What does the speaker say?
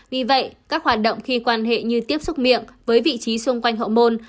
vì vậy các hoạt động khi quan hệ như tiếp xúc miệng với vị trí xung quanh hậu môn